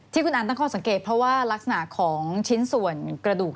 ที่คุณอันตั้งข้อสังเกตเพราะว่ารักษณะของชิ้นส่วนกระดูก